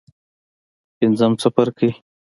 پنځم څپرکی.